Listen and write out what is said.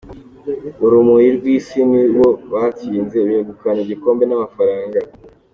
Urumuri rw’Isi nibo batsinze, begukana igikombe n’amafaranga , Rwf.